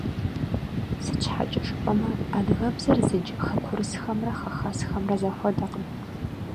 Сыт щхьэкӀэ жыпӀэмэ, адыгэбзэр зыдж хэкурысымрэ хэхэсымрэ зэхуэдэкъым.